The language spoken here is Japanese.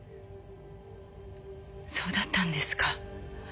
そうだったんですか。